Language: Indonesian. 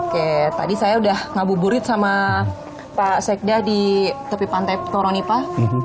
oke tadi saya udah ngabuburit sama pak sekda di tepi pantai toronipah